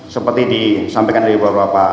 seperti disampaikan dari bapak bapak